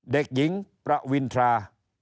เด็กหญิงประวินทรา